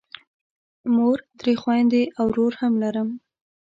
مور، درې خویندې او ورور هم لرم.